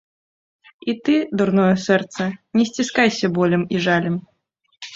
І ты, дурное сэрца, не сціскайся болем і жалем.